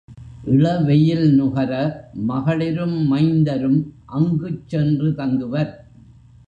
இளவெயில் நுகர மகளிரும் மைந்தரும் அங்குச் சென்று தங்குவர்.